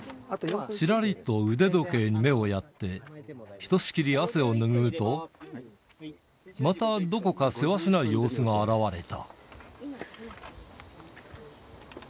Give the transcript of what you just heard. ちらりと目を腕時計にやって、ひとしきり汗をぬぐうと、またどこかせわしない様子が表れた。